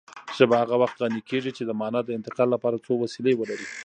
ژبه هغه وخت غني کېږي چې د مانا د انتقال لپاره څو وسیلې ولري